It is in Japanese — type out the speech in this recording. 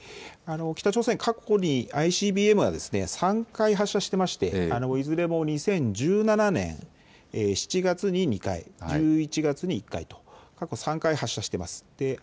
北朝鮮、過去にＩＣＢＭは３回発射していまして、いずれも２０１７年７月に２回、１１月に１回、過去３回、発射しています。